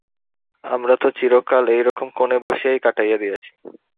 আমরা তো চিরকাল এইরকম কোণে বসিয়াই কাটাইয়া দিয়াছি।